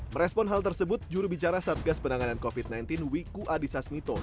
merespon hal tersebut jurubicara satgas penanganan covid sembilan belas wiku adhisa smito